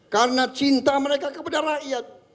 karena cinta mereka kepada rakyat